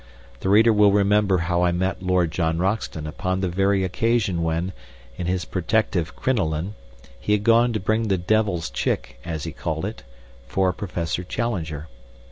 The reader will remember how I met Lord John Roxton upon the very occasion when, in his protective crinoline, he had gone to bring the "Devil's chick" as he called it, for Professor Challenger.